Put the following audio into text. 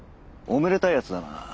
おめでたいヤツだな。